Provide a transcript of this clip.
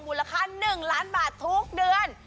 มูลค่า๑ล้านบาททุกเดือน